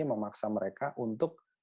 ini memaksa mereka untuk